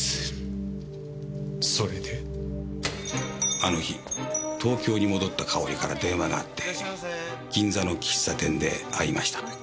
あの日東京に戻ったかおりから電話があって銀座の喫茶店で会いました。